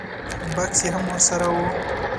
بکس یې هم ور سره و.